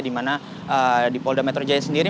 di mana di polda metro jaya sendiri